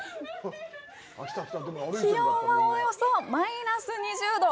気温は、およそマイナス２０度！